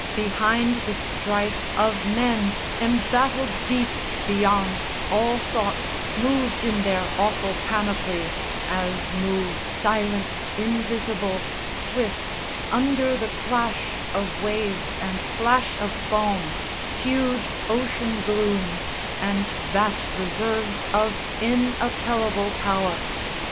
Behind the strife Of men embattled deeps beyond all thought Moved in their awful panoply, as move Silent, invisible, swift, under the clash Of waves and flash of foam, huge ocean glooms And vast reserves of inappellable power.